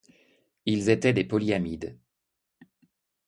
Ils étaient des polyamides.